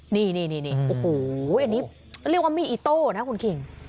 นี่โอ้โหอันนี้เรียกว่ามีดอิโต้นะคุณคิง